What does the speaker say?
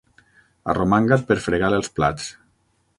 Arromanga't per fregar els plats.